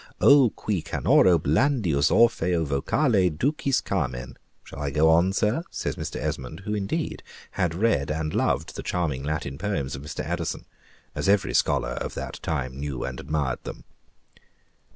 ... 'O qui canoro blandius Orpheo vocale ducis carmen;' shall I go on, sir?" says Mr. Esmond, who, indeed, had read and loved the charming Latin poems of Mr. Addison, as every scholar of that time knew and admired them.